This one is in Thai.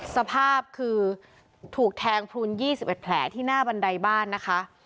สภาพคือถูกแทงพลุน๒๑แผลที่หน้าบันไดบ้านนะคะ